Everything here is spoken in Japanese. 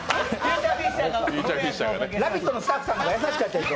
「ラヴィット！」のスタッフさんの方が優しかったですよ。